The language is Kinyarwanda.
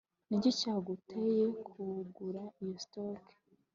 niki cyaguteye kugura iyo stock